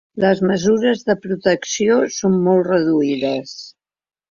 Les mesures de protecció són molt reduïdes.